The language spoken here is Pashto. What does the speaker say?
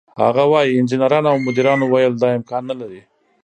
هغه وايي: "انجنیرانو او مدیرانو ویل دا امکان نه لري،